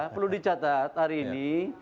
perlu dicatat hari ini